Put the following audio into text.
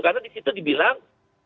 karena disitu dibilang